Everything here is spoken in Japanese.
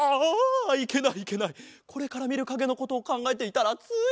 これからみるかげのことをかんがえていたらつい。